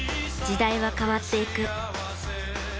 時代は変わっていく。